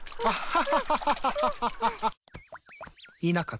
あっ！